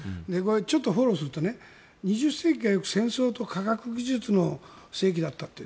ちょっとフォローすると２０世紀は戦争と科学技術の世紀だったと。